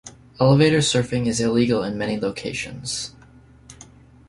Elevator surfing is illegal in many locations.